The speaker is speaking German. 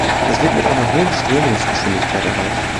Das wird mit einer hohen Strömungsgeschwindigkeit erreicht.